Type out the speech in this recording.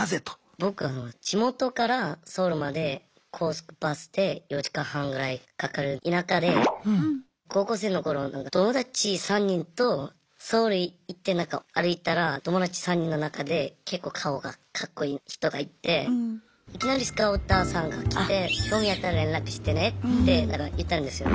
僕は地元からソウルまで高速バスで４時間半ぐらいかかる田舎で高校生の頃友達３人とソウル行ってなんか歩いたら友達３人の中で結構顔がかっこいい人がいていきなりスカウターさんが来て「興味あったら連絡してね」って言ったんですよ。